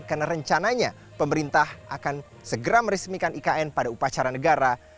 karena rencananya pemerintah akan segera meresmikan ikn pada upacara negara